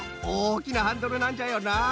おおきなハンドルなんじゃよな